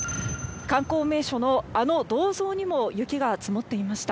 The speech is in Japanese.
観光名所のあの銅像にも雪が積もっていました。